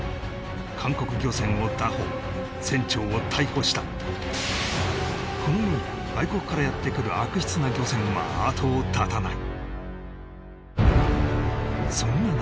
韓国漁船を拿捕船長を逮捕したこのように外国からやってくる悪質な漁船は後を絶たない